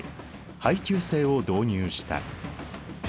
配給制を導入した。